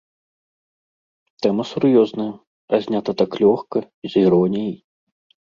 Тэма сур'ёзная, а знята так лёгка, з іроніяй.